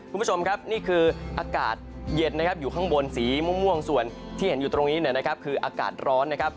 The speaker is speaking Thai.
คุณผู้ชมครับนี่คืออากาศเย็นนะครับอยู่ข้างบนสีม่วงส่วนที่เห็นอยู่ตรงนี้นะครับคืออากาศร้อนนะครับ